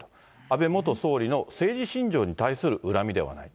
安倍元総理の政治信条に対する恨みではない。